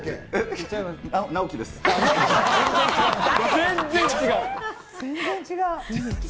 全然違う。